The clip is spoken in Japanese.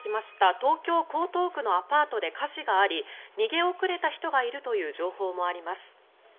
東京・江東区のアパートで火事があり逃げ遅れた人がいるという情報もあります。